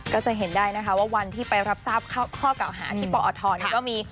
ก็จะเห็นได้นะคะว่าวันที่ไปรับทราบข้อเก่าหาที่ปอทนี่ก็มี